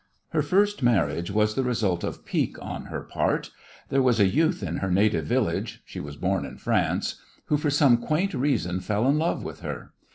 Her first marriage was the result of pique on her part. There was a youth in her native village she was born in France who for some quaint reason fell in love with her.